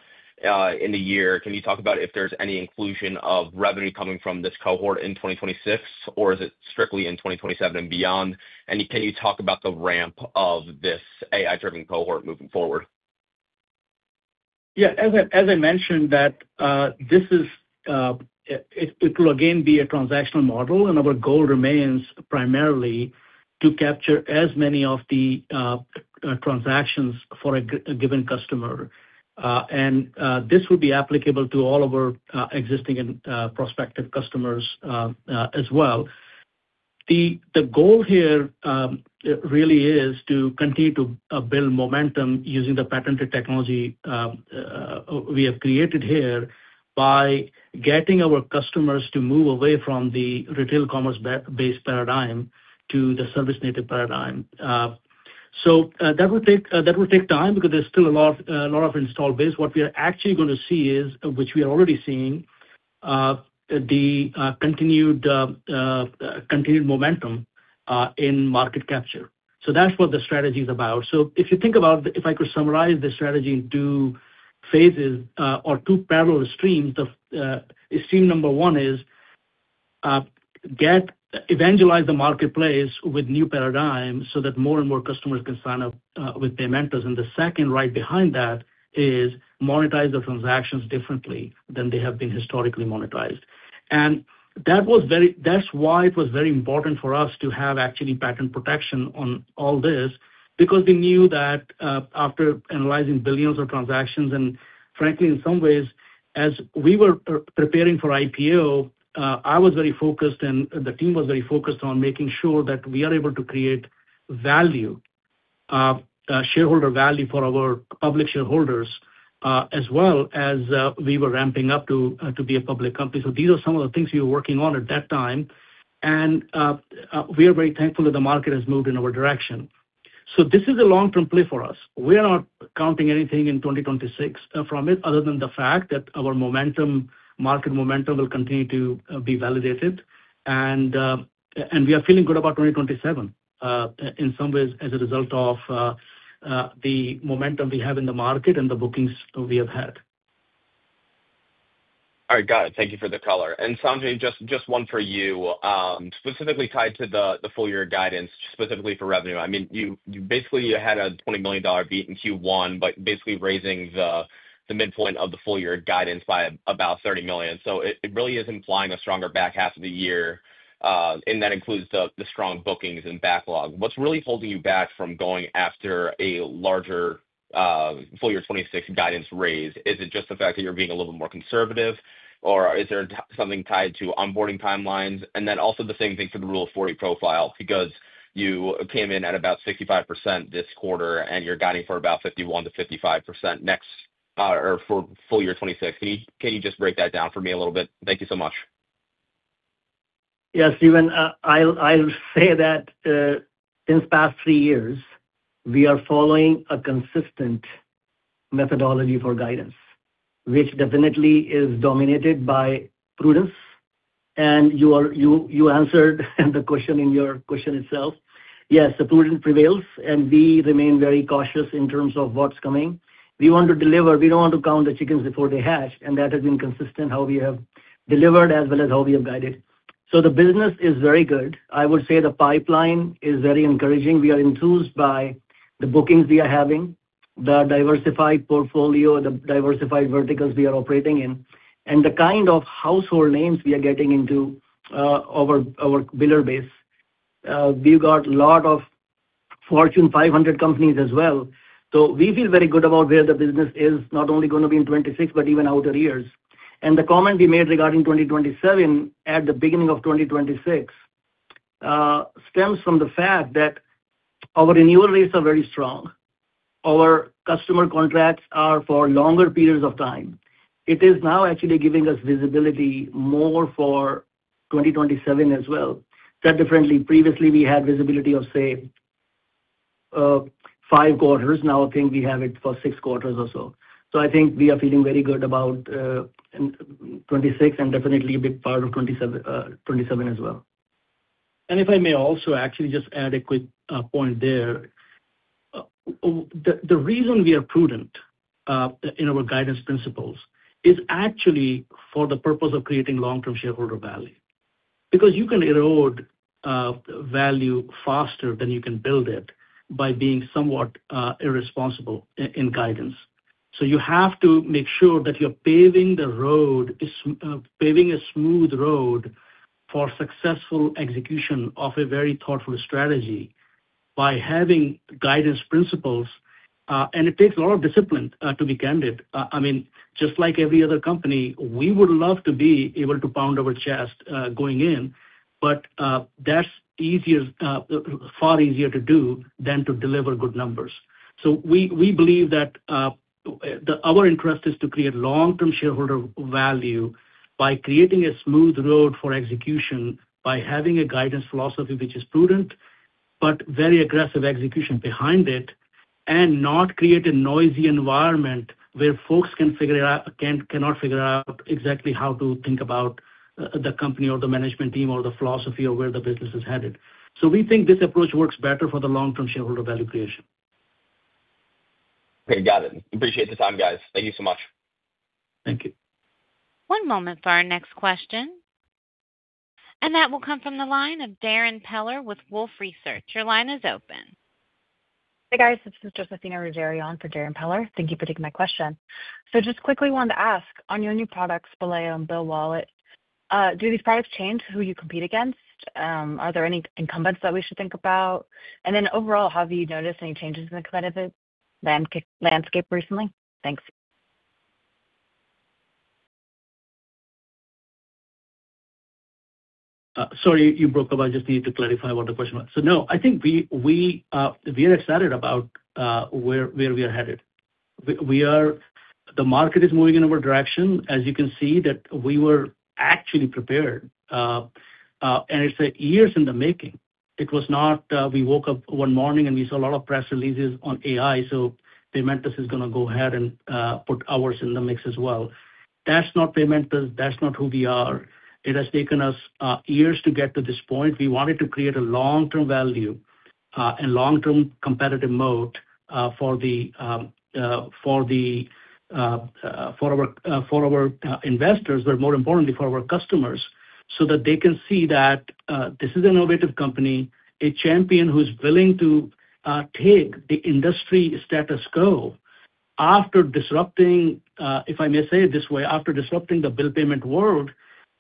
year? Can you talk about if there's any inclusion of revenue coming from this cohort in 2026, or is it strictly in 2027 and beyond? Can you talk about the ramp of this AI-driven cohort moving forward? As I mentioned that this is it will again be a transactional model, and our goal remains primarily to capture as many of the transactions for a given customer. This would be applicable to all of our existing and prospective customers as well. The goal here really is to continue to build momentum using the patented technology we have created here by getting our customers to move away from the retail commerce based paradigm to the service-native paradigm. That would take time because there's still a lot of install base. What we are actually gonna see is, which we are already seeing, the continued momentum in market capture. That's what the strategy is about. If you think about if I could summarize the strategy in two phases, or two parallel streams of. Stream number one is evangelize the marketplace with new paradigms so that more and more customers can sign up with Paymentus. The second right behind that is monetize the transactions differently than they have been historically monetized. That's why it was very important for us to have actually patent protection on all this, because we knew that, after analyzing billions of transactions, and frankly, in some ways, as we were preparing for IPO, I was very focused and the team was very focused on making sure that we are able to create value, shareholder value for our public shareholders, as well as, we were ramping up to be a public company. These are some of the things we were working on at that time. We are very thankful that the market has moved in our direction. This is a long-term play for us. We are not counting anything in 2026 from it other than the fact that our momentum, market momentum will continue to be validated. We are feeling good about 2027 in some ways as a result of the momentum we have in the market and the bookings we have had. All right. Got it. Thank you for the color. Sanjay, just one for you. Specifically tied to the full-year guidance, specifically for revenue. I mean, you basically had a $20 million beat in Q1 by basically raising the midpoint of the full-year guidance by about $30 million. It really is implying a stronger back half of the year, and that includes the strong bookings and backlog. What's really holding you back from going after a larger full year 2026 guidance raise? Is it just the fact that you're being a little more conservative, or is there something tied to onboarding timelines? Then also the same thing for the Rule of 40 profile, because you came in at about 65% this quarter, and you're guiding for about 51%-55% next, or for full year 2026. Can you just break that down for me a little bit? Thank you so much. Yeah, Steven, I'll say that since past three years, we are following a consistent methodology for guidance, which definitely is dominated by prudence. You answered the question in your question itself. Yes, the prudence prevails, and we remain very cautious in terms of what's coming. We want to deliver. We don't want to count the chickens before they hatch, that has been consistent how we have delivered as well as how we have guided. The business is very good. I would say the pipeline is very encouraging. We are enthused by the bookings we are having, the diversified portfolio, the diversified verticals we are operating in, and the kind of household names we are getting into, our biller base. Fortune 500 companies as well. We feel very good about where the business is not only gonna be in 2026 but even outer years. The comment we made regarding 2027 at the beginning of 2026 stems from the fact that our renewal rates are very strong. Our customer contracts are for longer periods of time. It is now actually giving us visibility more for 2027 as well. Said differently, previously we had visibility of say, five quarters. Now I think we have it for six quarters or so. I think we are feeling very good about in 2026 and definitely a big part of 2027 as well. If I may also actually just add a quick point there. The reason we are prudent in our guidance principles is actually for the purpose of creating long-term shareholder value. Because you can erode value faster than you can build it by being somewhat irresponsible in guidance. You have to make sure that you're paving the road, paving a smooth road for successful execution of a very thoughtful strategy by having guidance principles. It takes a lot of discipline to be candid. I mean, just like every other company, we would love to be able to pound our chest going in, but that's easier, far easier to do than to deliver good numbers. We believe that our interest is to create long-term shareholder value by creating a smooth road for execution, by having a guidance philosophy which is prudent but very aggressive execution behind it, and not create a noisy environment where folks cannot figure out exactly how to think about the company or the management team or the philosophy of where the business is headed. We think this approach works better for the long-term shareholder value creation. Okay. Got it. Appreciate the time, guys. Thank you so much. Thank you. One moment for our next question. That will come from the line of Darrin Peller with Wolfe Research. Your line is open. Hey, guys. This is Josefina Ruggieri on for Darrin Peller. Thank you for taking my question. Just quickly wanted to ask, on your new products, Billeo and BillWallet, do these products change who you compete against? Are there any incumbents that we should think about? Then overall, have you noticed any changes in the competitive landscape recently? Thanks. Sorry, you broke up. I just need to clarify what the question was. No, I think we are excited about where we are headed. The market is moving in our direction, as you can see that we were actually prepared, and it's years in the making. It was not, we woke up one morning, and we saw a lot of press releases on AI, so Paymentus is going to go ahead and put ours in the mix as well. That's not Paymentus. That's not who we are. It has taken us years to get to this point. We wanted to create a long-term value and long-term competitive moat for our investors, but more importantly for our customers, so that they can see that this is an innovative company, a champion who's willing to take the industry status quo after disrupting, if I may say it this way, after disrupting the bill payment world.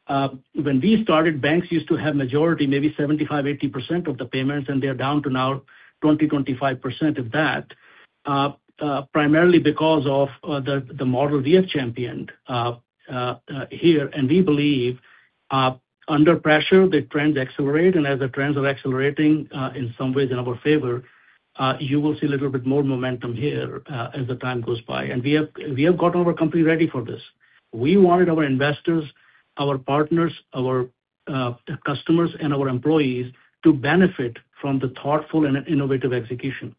When we started, banks used to have majority, maybe 75%, 80% of the payments, and they are down to now 20%, 25% of that, primarily because of the model we have championed here. We believe, under pressure, the trends accelerate, and as the trends are accelerating, in some ways in our favor, you will see a little bit more momentum here, as the time goes by. We have got our company ready for this. We wanted our investors, our partners, our customers, and our employees to benefit from the thoughtful and innovative execution,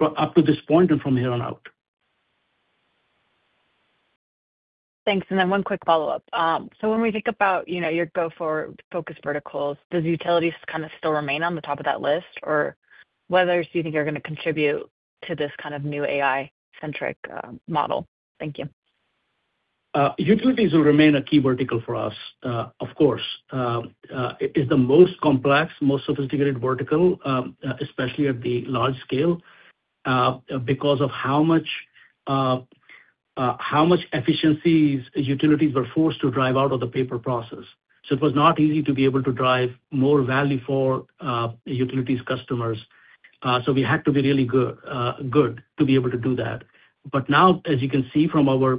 up to this point and from here on out. Thanks. One quick follow-up. When we think about, you know, your go forward focus verticals, does utilities kind of still remain on the top of that list? Whether do you think are gonna contribute to this kind of new AI-centric model? Thank you. Utilities will remain a key vertical for us, of course. It is the most complex, most sophisticated vertical, especially at the large scale, because of how much efficiencies utilities were forced to drive out of the paper process. It was not easy to be able to drive more value for utilities customers. We had to be really good to be able to do that. Now as you can see from our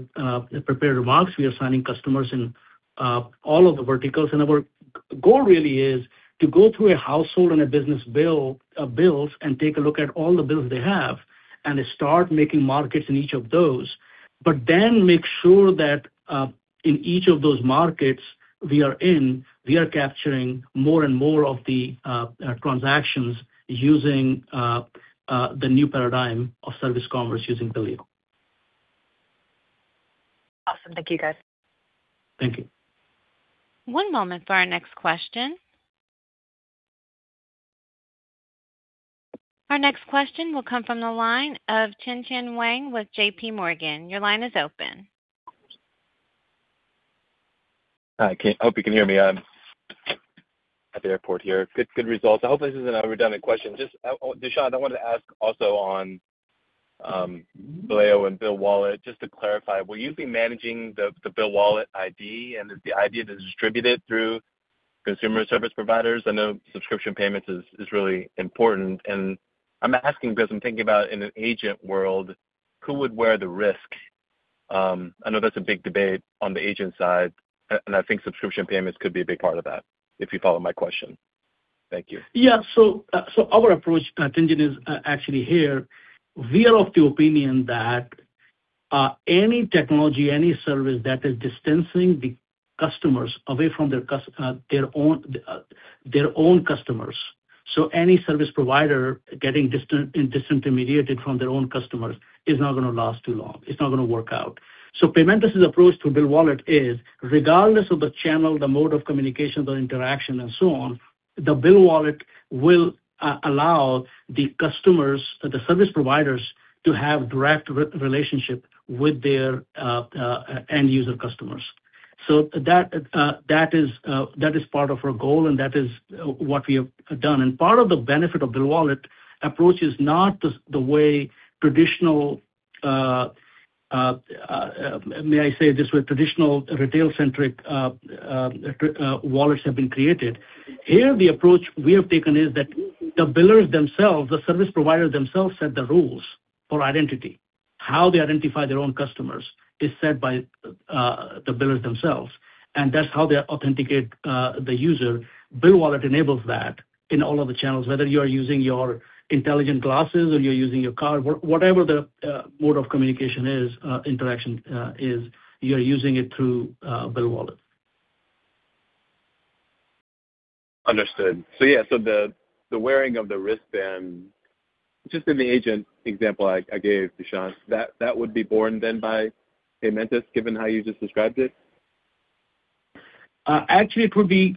prepared remarks, we are signing customers in all of the verticals. Our goal really is to go through a household and a business bills and take a look at all the bills they have and start making markets in each of those. Make sure that, in each of those markets we are in, we are capturing more and more of the transactions using the new paradigm of Service Commerce using Billeo. Awesome. Thank you, guys. Thank you. One moment for our next question. Our next question will come from the line of Tien-Tsin Huang with JPMorgan. Your line is open. Hi, hope you can hear me. I'm at the airport here. Good results. I hope this isn't a redundant question. Just, Dushyant, I wanted to ask also on Leo and BillWallet, just to clarify, will you be managing the BillWallet ID, and is the idea to distribute it through consumer service providers? I know subscription payments is really important. I'm asking because I'm thinking about in an agent world, who would wear the risk? I know that's a big debate on the agent side. I think subscription payments could be a big part of that, if you follow my question. Thank you. Yeah. Our approach engine is actually here. We are of the opinion that any technology, any service that is distancing the customers away from their own customers. Any service provider getting disintermediated from their own customers is not gonna last too long. It's not gonna work out. Paymentus' approach to BillWallet is, regardless of the channel, the mode of communication, the interaction and so on, the BillWallet will allow the customers or the service providers to have direct re-relationship with their end user customers. That is part of our goal, and that is what we have done. Part of the benefit of BillWallet approach is not the way traditional, may I say this word, traditional retail-centric wallets have been created. Here, the approach we have taken is that the billers themselves, the service providers themselves set the rules for identity. How they identify their own customers is set by the billers themselves, and that's how they authenticate the user. BillWallet enables that in all of the channels, whether you are using your intelligent glasses or you're using your car. Whatever the mode of communication is, interaction is, you're using it through BillWallet. Understood. Yeah, so the wearing of the wristband, just in the agent example I gave, Dushyant, that would be borne then by Paymentus, given how you just described it? Actually it would be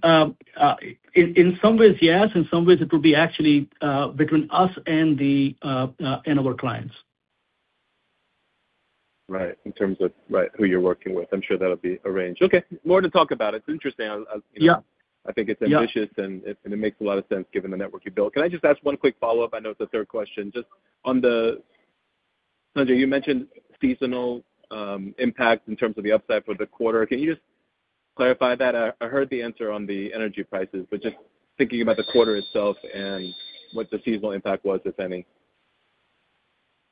in some ways, yes. In some ways it would be actually between us and our clients. Right. In terms of, right, who you're working with. I'm sure that'll be arranged. Okay. More to talk about. It's interesting. I'll. Yeah. I think it's ambitious. Yeah. And it makes a lot of sense given the network you built. Can I just ask one quick follow-up? I know it's the third question. Sanjay, you mentioned seasonal impact in terms of the upside for the quarter. Can you just clarify that? I heard the answer on the energy prices, but just thinking about the quarter itself and what the seasonal impact was, if any,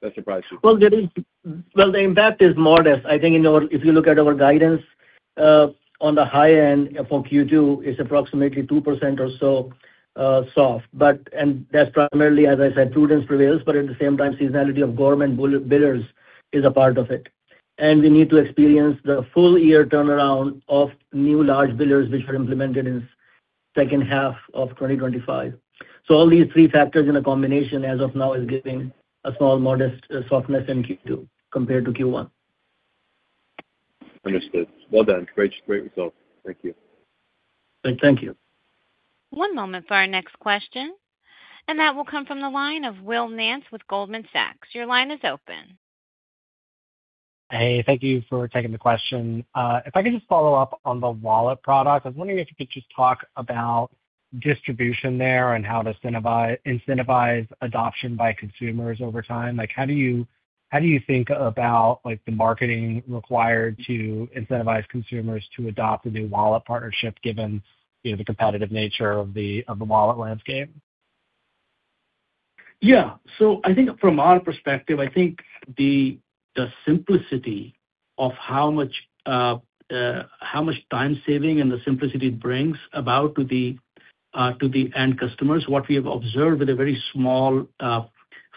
that surprised you. Well, the impact is modest. I think if you look at our guidance, on the high end for Q2, it's approximately 2% or so soft. That's primarily, as I said, prudence prevails, but at the same time, seasonality of government billers is a part of it. We need to experience the full-year turnaround of new large billers which were implemented in second half of 2025. All these three factors in a combination as of now is giving a small modest softness in Q2 compared to Q1. Understood. Well done. Great result. Thank you. Thank you. One moment for our next question, and that will come from the line of Will Nance with Goldman Sachs. Your line is open. Hey, thank you for taking the question. If I could just follow up on the wallet product. I was wondering if you could just talk about distribution there and how to incentivize adoption by consumers over time. Like, how do you think about, like, the marketing required to incentivize consumers to adopt a new wallet partnership, given, you know, the competitive nature of the wallet landscape? Yeah. I think from our perspective, I think the simplicity of how much time saving and the simplicity it brings about to the end customers, what we have observed with a very small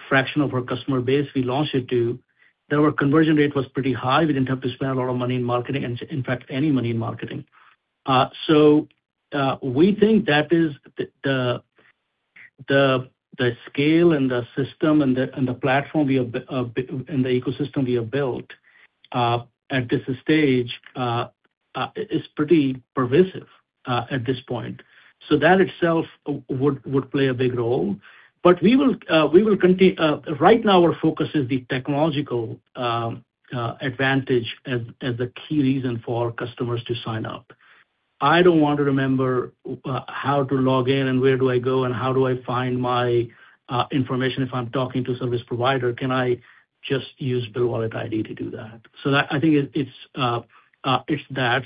fraction of our customer base we launched it to, their conversion rate was pretty high. We didn't have to spend a lot of money in marketing and in fact, any money in marketing. We think that is the scale and the system and the platform we have built and the ecosystem we have built at this stage is pretty pervasive at this point. That itself would play a big role. We will right now our focus is the technological advantage as a key reason for our customers to sign up. I don't want to remember how to log in and where do I go and how do I find my information if I'm talking to a service provider. Can I just use BillWallet ID to do that? I think it's that.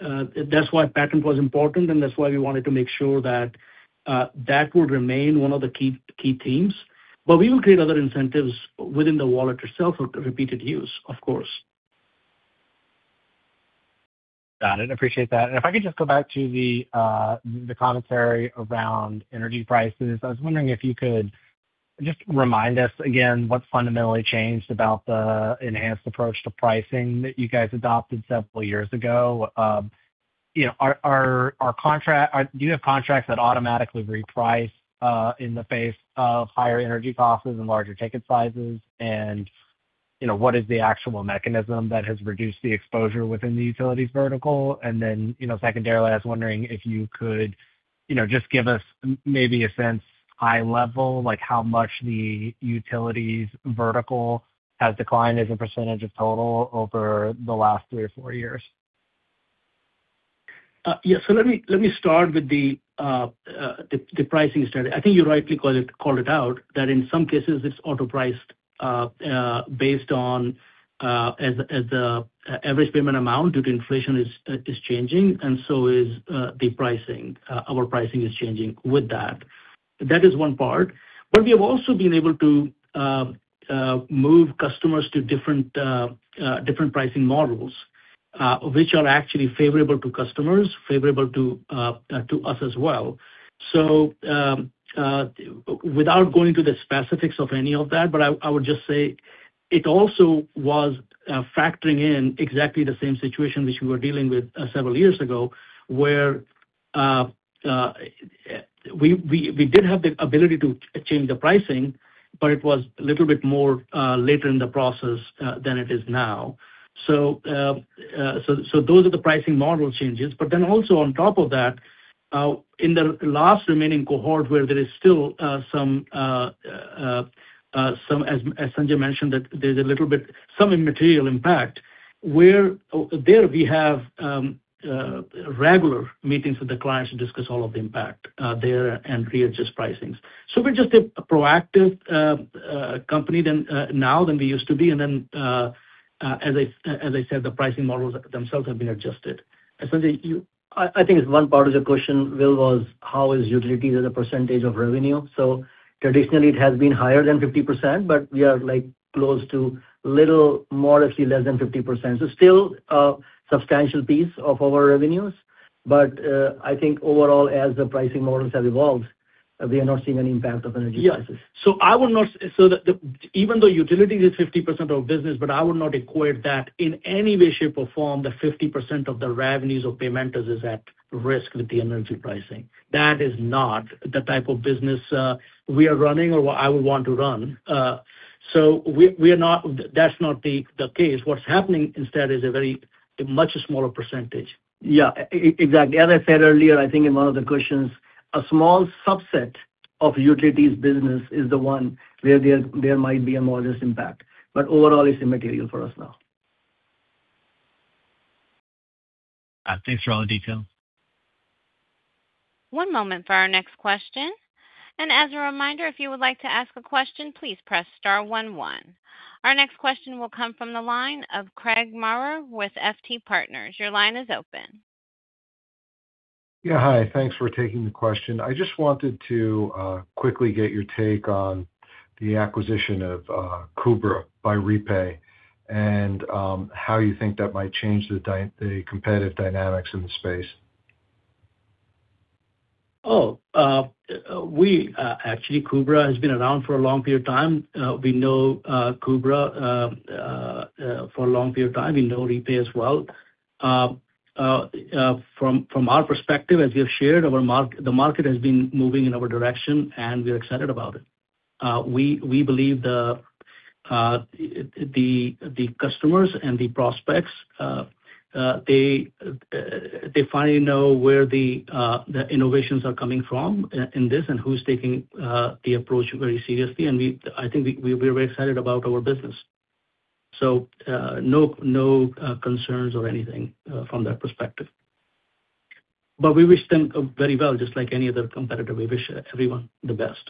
That's why was important, and that's why we wanted to make sure that would remain one of the key themes. We will create other incentives within the wallet itself for repeated use, of course. Got it. Appreciate that. If I could just go back to the commentary around energy prices. I was wondering if you could just remind us again what fundamentally changed about the enhanced approach to pricing that you guys adopted several years ago. You know, are contracts that automatically reprice in the face of higher energy costs and larger ticket sizes? You know, what is the actual mechanism that has reduced the exposure within the utilities vertical? Then, you know, secondarily, I was wondering if you could, you know, just give us maybe a sense, high level, like how much the utilities vertical has declined as a percentage of total over the last three or four years. Yeah. Let me start with the pricing strategy. I think you rightly called it out that in some cases it's auto-priced, based on average payment amount due to inflation is changing and so is the pricing. Our pricing is changing with that. That is one part. We have also been able to move customers to different pricing models, which are actually favorable to customers, favorable to us as well. Without going into the specifics of any of that, but I would just say it also was factoring in exactly the same situation which we were dealing with several years ago, where we did have the ability to change the pricing, but it was a little bit more later in the process than it is now. Those are the pricing model changes. Also on top of that, in the last remaining cohort where there is still some as Sanjay mentioned, that there's a little bit, some immaterial impact, where there we have regular meetings with the clients to discuss all of the impact there and readjust pricings. We're just a proactive company than now than we used to be. As I said, the pricing models themselves have been adjusted. Sanjay, you? I think it's one part of the question, Will, was how is utilities as a percentage of revenue? Traditionally it has been higher than 50%, but we are like close to little more, actually less than 50%. Still a substantial piece of our revenues. I think overall, as the pricing models have evolved, we are not seeing any impact of energy prices. Yeah. Even though utilities is 50% of business, but I would not equate that in any way, shape, or form, the 50% of the revenues of Paymentus is at risk with the energy pricing. That is not the type of business we are running or what I would want to run. That's not the case. What's happening instead is a much smaller percentage. Yeah, exactly. As I said earlier, I think in one of the questions, a small subset of utilities business is the one where there might be a modest impact. Overall it's immaterial for us now. Thanks for all the detail. One moment for our next question. As a reminder, if you would like to ask a question, please press star one one. Our next question will come from the line of Craig Maurer with FT Partners. Your line is open. Yeah, hi. Thanks for taking the question. I just wanted to quickly get your take on the acquisition of KUBRA by REPAY and how you think that might change the competitive dynamics in the space? Actually KUBRA has been around for a long period of time. We know KUBRA for a long period of time. We know REPAY as well. From our perspective, as we have shared, the market has been moving in our direction, we're excited about it. We believe the customers and the prospects finally know where the innovations are coming from in this and who's taking the approach very seriously. I think we're very excited about our business. No concerns or anything from that perspective. We wish them very well, just like any other competitor. We wish everyone the best.